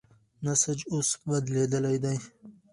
نسج اوس بدلېدلی دی.